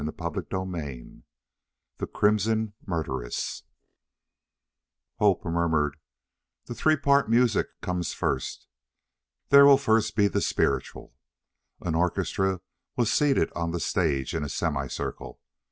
CHAPTER VII The Crimson Murderess Hope murmured. "The three part music comes first. There will first be the spiritual." An orchestra was seated on the stage in a semi circle.